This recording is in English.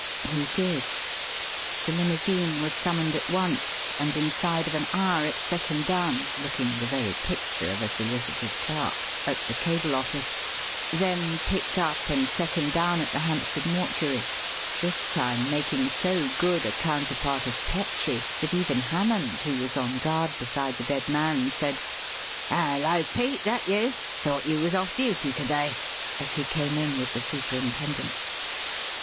He did. The limousine was summoned at once, and inside of an hour it set him down (looking the very picture of a solicitor's clerk) at the cable office, then picked up and set him down at the Hampstead mortuary, this time, making so good a counterpart of Petrie that even Hammond, who was on guard beside the dead man, said "Hullo, Pete, that you? Thought you was off duty to day," as he came in with the superintendent.